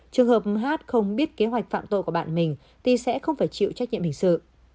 trường hợp hát không biết kế hoạch phạm tội của bạn mình thì sẽ không phải chịu trách nhiệm hình sự